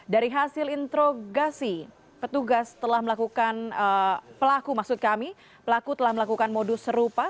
dari hasil introgasi petugas telah melakukan pelaku maksud kami pelaku telah melakukan modus serupa